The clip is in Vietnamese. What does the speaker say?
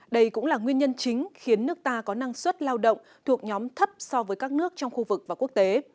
đây cũng là nguyên nhân chính khiến nước ta có năng suất lao động thuộc nhóm thấp so với các nước trong khu vực và quốc tế